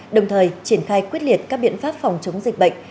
đồng thời triển khai quyết liệt các biện pháp phòng chống dịch bệnh